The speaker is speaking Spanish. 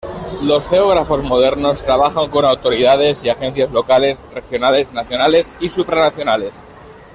Los geógrafos modernos trabajan con autoridades y agencias locales, regionales nacionales y supranacionales.